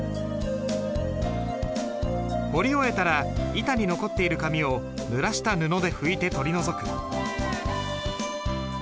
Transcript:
彫り終えたら板に残っている紙をぬらした布で拭いて取り除く。